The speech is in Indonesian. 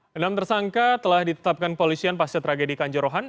dalam tersangka telah ditetapkan polisian pasca tragedi kanjarohan